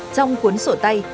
trong cuốn sổ tây